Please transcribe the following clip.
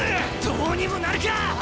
どうにもなるか！